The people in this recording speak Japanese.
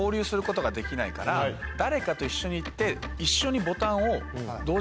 誰かと一緒に行って。